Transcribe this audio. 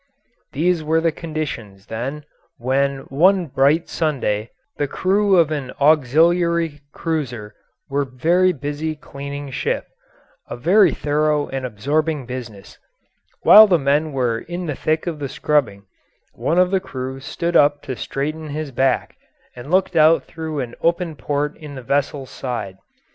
These were the conditions, then, when one bright Sunday the crew of an auxiliary cruiser were very busy cleaning ship a very thorough and absorbing business. While the men were in the thick of the scrubbing, one of the crew stood up to straighten his back, and looked out through an open port in the vessel's side.